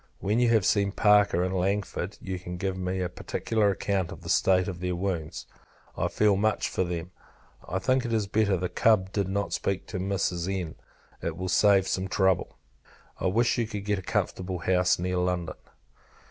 When you have seen Parker and Langford, you can give me a particular account of the state of their wounds. I feel much for them. I think it is better the Cub did not speak to Mrs. N. It will save some trouble. I wish you could get a comfortable house near London.